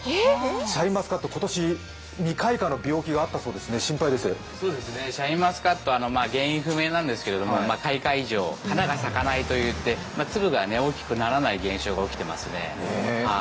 シャインマスカット、今年未開花の病気があったそうですねシャインマスカット、原因不明なんですけど、開花異常花が咲かないといって粒が大きくならない現象が起きていますね。